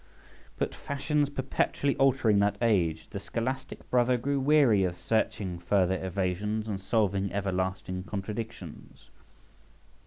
But fashions perpetually altering in that age, the scholastic brother grew weary of searching further evasions and solving everlasting contradictions.